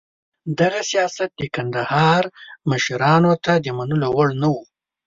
دغه سیاست د کندهار مشرانو ته د منلو وړ نه و.